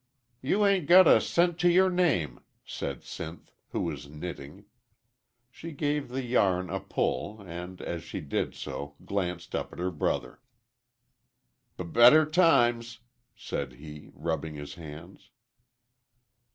"You'ain't got a cent to yer name," said Sinth, who was knitting. She gave the yam a pull, and, as she did so, glanced up at her brother. "B better times!" said he, rubbing his hands.